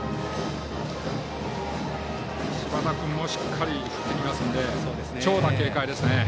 柴田君もしっかり振ってきますので長打警戒です。